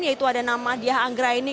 yaitu ada nama diah anggraini